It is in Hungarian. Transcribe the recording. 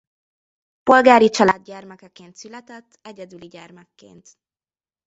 Polgári család gyermekeként született egyedüli gyermekként.